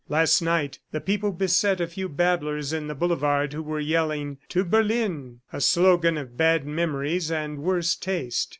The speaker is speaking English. ... Last night the people beset a few babblers in the boulevard who were yelling, 'To Berlin!' a slogan of bad memories and worse taste.